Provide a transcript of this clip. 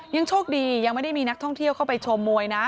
ยังโชคดียังไม่ได้มีนักท่องเที่ยวเข้าไปชมมวยนะ